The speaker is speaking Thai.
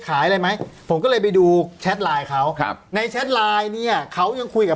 อะไรไหมผมก็เลยไปดูแชทไลน์เขาครับในแชทไลน์เนี่ยเขายังคุยกับ